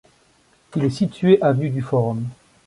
Il est situé avenue du Forum.